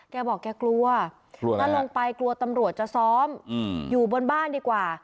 แกบอกแกกลัวถ้าลงไปกลัวตำรวจจะซ้อมอยู่บนบ้านดีกว่า